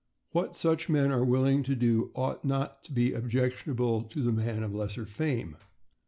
What such men are willing to do ought not to be objectionable to the man of lesser fame.